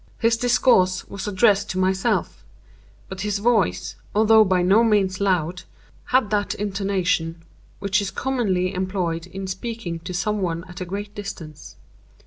His discourse was addressed to myself; but his voice, although by no means loud, had that intonation which is commonly employed in speaking to some one at a great distance.